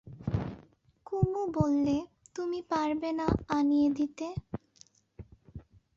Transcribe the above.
কুমু বললে, তুমি পারবে না আনিয়ে দিতে।